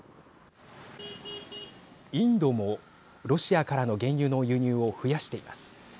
インドもロシアからの原油の輸入を増やしています。